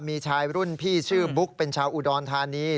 มีชายรุ่นพี่ชื่อบุ๊กเป็นชาวอุดรธานี